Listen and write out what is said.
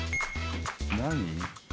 「何？」